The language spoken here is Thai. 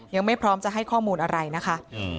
ยังไม่พร้อมจะให้ข้อมูลอะไรนะคะ